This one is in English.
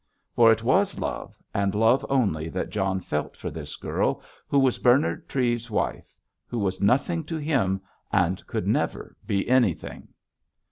For it was love, and love only that John felt for this girl who was Bernard Treves's wife, who was nothing to him, and could never be anything.